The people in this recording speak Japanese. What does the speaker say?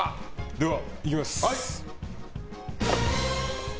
では、いきます。